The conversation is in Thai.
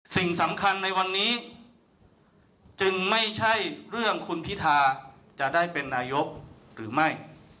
สิ่งสำคัญในวันนี้จึงไม่ใช่เรื่องคุณพิธาจะได้เป็นนายกหรือไม่